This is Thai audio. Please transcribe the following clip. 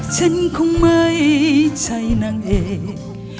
ฉันคงไม่ใช่นางเอก